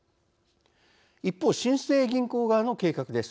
一方、新生銀行側の計画です。